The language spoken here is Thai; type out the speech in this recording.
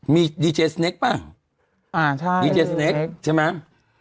มีอีกไหมจนเต็มท์ไม้ดีเจสเนกส์มีไหม